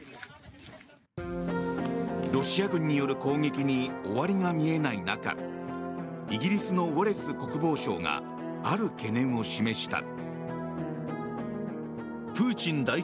ロシア軍による攻撃に終わりが見えない中イギリスのウォレス国防相がある懸念を示した。